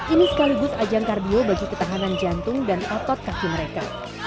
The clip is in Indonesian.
ini sekaligus ajang kardio bagi ketahanan jantung dan otot kaki mereka